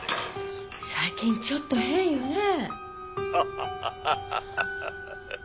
最近ちょっと変よねえ。